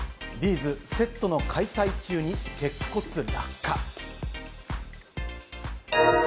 ’ｚ、セットの解体中に鉄骨落下。